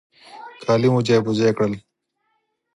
کالي مو ځای پر ځای کړل.